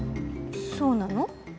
そうなの？